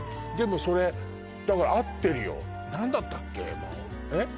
でもそれだから合ってるよ何だったっけ？